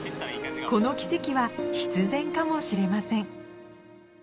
この奇跡は必然かもしれません